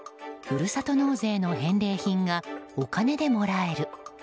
ふるさと納税の返礼品がお金でもらえる。